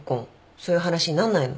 そういう話になんないの？